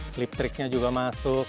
flip tricknya juga masuk